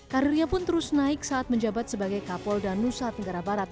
karirnya pun terus naik saat menjabat sebagai kapolda nusa tenggara barat